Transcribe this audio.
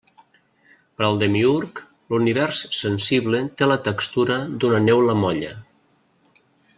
Per al demiürg, l'univers sensible té la textura d'una neula molla.